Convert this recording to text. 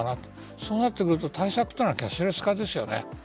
そうなってくると対策はキャッシュレス化ですよね。